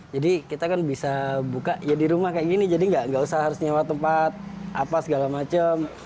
jadi kita kan bisa buka ya di rumah kayak gini jadi gak usah harus nyewa tempat apa segala macem